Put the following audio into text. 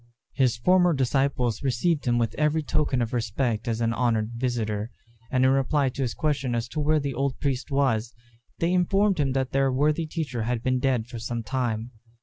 His former disciples received him with every token of respect as an honoured visitor; and in reply to his question as to where the old priest was, they informed him that their worthy teacher had been dead for some time.